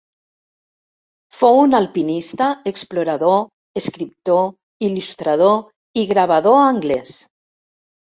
Fou un alpinista, explorador, escriptor, il·lustrador i gravador anglès.